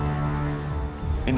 tapi menurut ganda